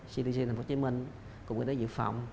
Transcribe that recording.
cdc tp hcm cục y tế dược phòng